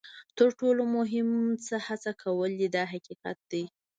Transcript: تر ټولو مهم څه هڅه کول دي دا حقیقت دی.